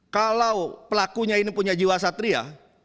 kalau pelakunya ini punya jiwa satria